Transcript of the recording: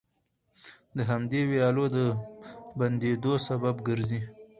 د همدې ويالو د بندېدو سبب ګرځي،